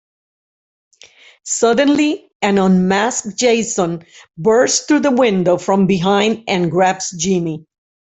Suddenly, an unmasked Jason bursts through the window from behind and grabs Ginny.